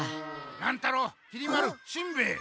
乱太郎きり丸しんべヱ。